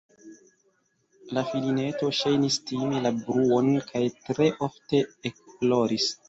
La filineto ŝajnis timi la bruon kaj tre ofte ekploris.